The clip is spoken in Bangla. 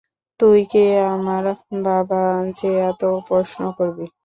তুই কি আমার বাবা যে এত প্রশ্ন করবি?